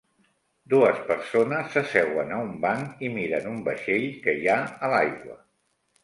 Dues persones s'asseuen a un banc i miren un vaixell que hi ha a l'aigua.